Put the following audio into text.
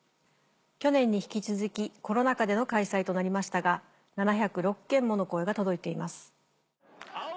去年に引き続きコロナ禍での開催となりましたが７０６件もの声が届いています。